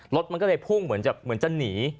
รถมันก็เลยพุ่งเหมือนจะหนี